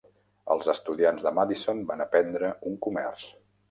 Els estudiants de Madison van aprendre un comerç.